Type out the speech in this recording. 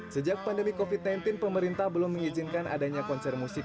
sejak pandemi covid sembilan belas pemerintah belum mengizinkan adanya konser musik